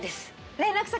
連絡先